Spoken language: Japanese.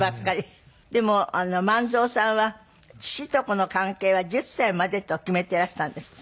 でも万蔵さんは父と子の関係は１０歳までと決めていらしたんですって？